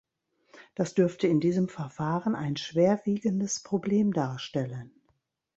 Das dürfte in diesem Verfahren ein schwer wiegendes Problem darstellen.